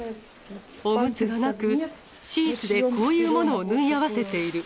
おむつがなく、シーツでこういうものを縫い合わせている。